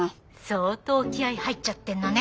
相当気合い入っちゃってんのね。